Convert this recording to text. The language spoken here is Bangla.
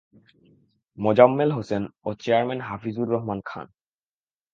মোজাম্মেল হোসেন ও চেয়ারম্যান হাফিজুর রহমান খান।